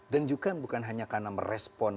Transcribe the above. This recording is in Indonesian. dan juga bukan hanya karena merespon